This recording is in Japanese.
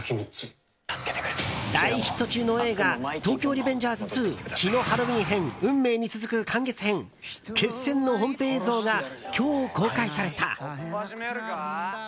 大ヒット中の映画「東京リベンジャーズ２血のハロウィン編‐運命‐」に続く完結編「決戦」の本編映像が今日公開された。